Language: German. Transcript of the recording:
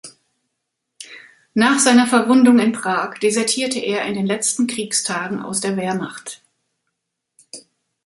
Nach seiner Verwundung in Prag desertierte er in den letzten Kriegstagen aus der Wehrmacht.